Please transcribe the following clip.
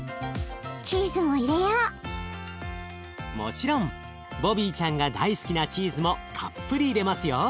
もちろんボビーちゃんが大好きなチーズもたっぷり入れますよ。